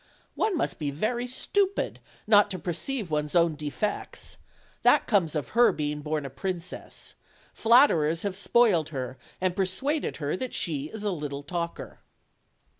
One must be very stupid not to perceive one's own defects: that comes of her being born a princess; flatterers have spoiled her, and persuaded her that she is a little talker.